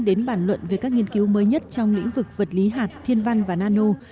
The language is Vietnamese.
đến bàn luận về các nghiên cứu mới nhất trong lĩnh vực vật lý hạt thiên văn và nano